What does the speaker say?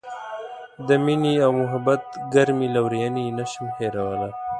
د مینې او محبت ګرمې لورینې یې نه شم هیرولای.